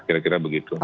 kira kira begitu mbak